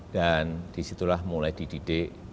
dan disitulah mulai dididik